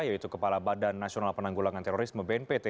yaitu kepala badan nasional penanggulangan terorisme bnpt